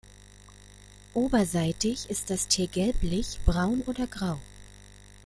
Oberseitig ist das Tier gelblich, braun oder grau.